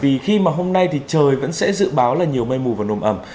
vì khi mà hôm nay thì trời vẫn sẽ dự báo là nhiều mây mù và nồm ẩm